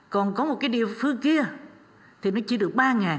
còn có một cái địa phương kia thì nó chia được ba